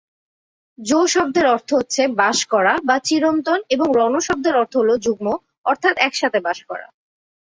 জো শব্দের অর্থ হচ্ছে বাস করা বা চিরন্তন এবং রণ শব্দের অর্থ হল যুগ্ম অর্থাৎ একসাথে বাস করা।